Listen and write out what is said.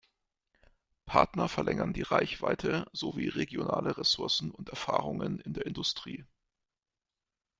Partner verlängern die Reichweite sowie regionale Ressourcen und Erfahrungen in der Industrie.